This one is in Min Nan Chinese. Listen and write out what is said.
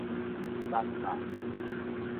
挽肉